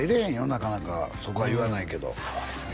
なかなかそこは言わないけどそうですね